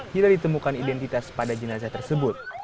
bila ditemukan identitas pada jenazah tersebut